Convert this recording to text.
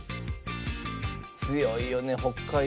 強いよね北海道は。